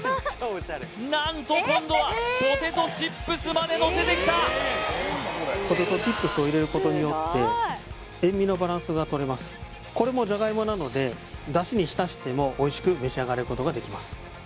何と今度はポテトチップスまでのせてきたポテトチップスを入れることによって塩味のバランスがとれますこれもじゃがいもなので出汁にひたしてもおいしく召し上がることができます